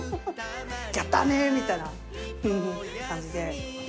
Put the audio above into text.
「やったね」みたいな感じで。